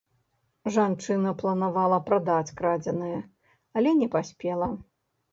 Жанчына планавала прадаць крадзенае, але не паспела.